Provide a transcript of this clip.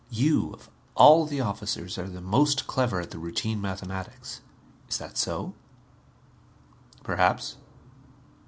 You, of all the officers, are most clever at the routine mathematics. Is that so?" "Perhaps."